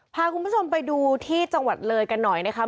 พาคุณผู้ชมไปดูที่จังหวัดเลยกันหน่อยนะคะ